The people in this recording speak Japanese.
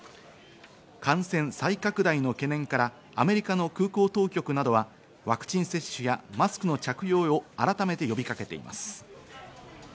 感染再拡大の懸念からアメリカの空港当局などは、ワクチン接種やマスクの着用を改めて呼びかけています。